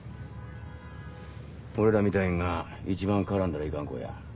俺らみたいんが一番絡んだらいかん子や。